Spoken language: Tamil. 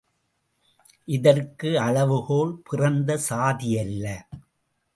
இதற்கு அளவுகோல் பிறந்த சாதியல்ல!